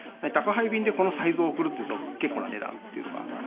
宅配便でこのサイズを送るっていうと結構な値段っていうか。